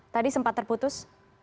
tadi sempat terputus